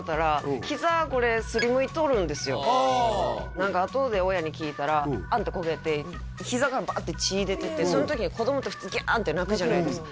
何かあとで親に聞いたらバーンってこけてひざからバーッて血出ててその時に子供って普通ギャーッて泣くじゃないですか？